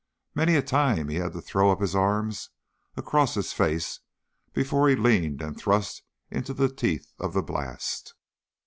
Many a time he had to throw up his arms across his face before he leaned and thrust on into the teeth of the blast.